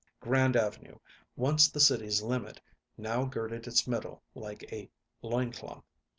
Grand Avenue, once the city's limit, now girded its middle like a loin cloth.